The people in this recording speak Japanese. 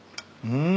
うん。